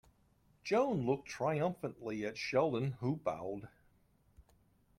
Joan looked triumphantly at Sheldon, who bowed.